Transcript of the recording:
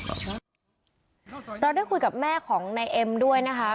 เราได้คุยกับแม่ของนายเอ็มด้วยนะคะ